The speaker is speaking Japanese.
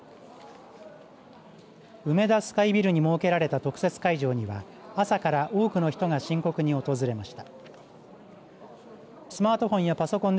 梅田スカイビルに設けられた特設会場には朝から多くの人が申告に訪れました。